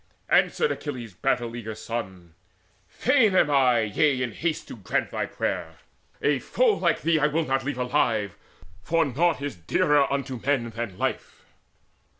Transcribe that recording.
Answered Achilles' battle eager son: "Fain am I, yea, in haste to grant thy prayer. A foe like thee will I not leave alive; For naught is dearer unto men than life."